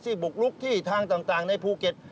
บุกลุกที่ทางต่างในภูเก็ต